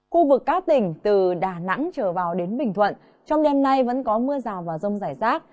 khu vực các tỉnh từ đà nẵng trở vào đến bình thuận trong đêm nay vẫn có mưa rào và rông rải rác